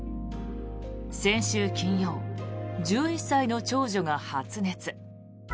先週金曜、１１歳の長女が発熱。